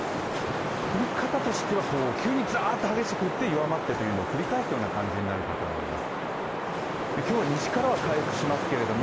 降り方としては急にザーッと激しく降って弱まってというのを繰り返すような感じになるかと思います。